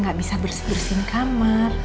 gak bisa beresin beresin kamar